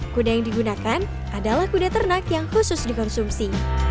kuda yang digunakan adalah kuda ternak yang khusus dikonsumsi